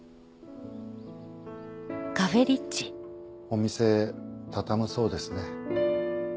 お店畳むそうですね。